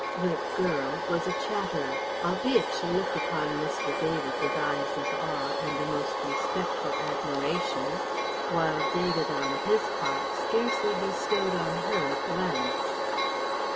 The "girl" was a chatterer, albeit she looked upon Mr. David with eyes of awe and a most respectful admiration, while David on his part scarcely bestowed on her a glance.